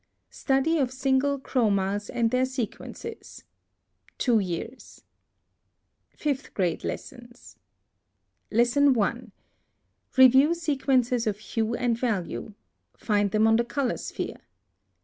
STUDY OF SINGLE CHROMAS AND THEIR SEQUENCES. Two Years. FIFTH GRADE LESSONS. 1. Review sequences of hue and value. Find them on the color sphere.